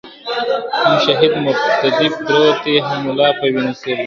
هم شهید مقتدي پروت دی هم مُلا په وینو سور دی !.